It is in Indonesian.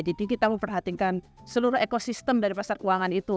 jadi kita memperhatikan seluruh ekosistem dari pasar keuangan itu